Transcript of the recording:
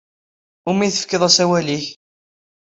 Umi tefkiḍ asawal-ik?